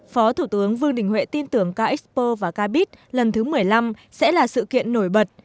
phó thủ tướng vương đình huệ tin tưởng k expo và cabit lần thứ một mươi năm sẽ là sự kiện nổi bật